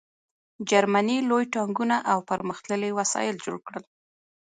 جرمني لوی ټانکونه او پرمختللي وسایل جوړ کړل